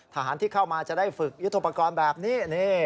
ทหารที่เข้ามาจะได้ฝึกยุทธปกรณ์แบบนี้